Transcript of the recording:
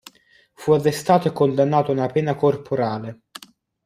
Fu arrestato e condannato a una pena corporale.